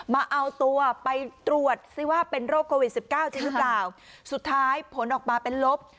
มาเอาตัวไปตรวจซิว่าเป็นโรคโควิดสิบเก้าจริงหรือเปล่าสุดท้ายผลออกมาเป็นลบ